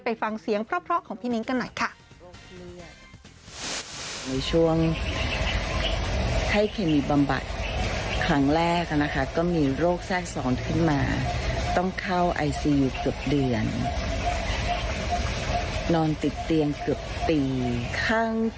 ไปฟังเสียงเพราะของพี่นิ้งกันหน่อยค่ะ